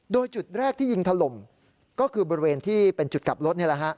โดยจุดแรกที่ยิงถล่มก็คือบริเวณที่เป็นจุดกลับรถนี่แหละฮะ